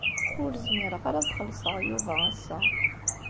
Ur zmireɣ ara ad xellṣeɣ Yuba ass-a.